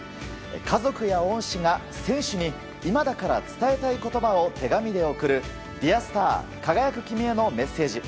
家族や恩師が選手に今だから伝えたい言葉を手紙で送る「Ｄｅａｒｓｔａｒ輝く君へのメッセージ」。